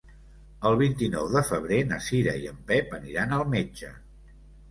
El vint-i-nou de febrer na Cira i en Pep aniran al metge.